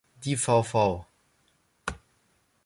Die Vv.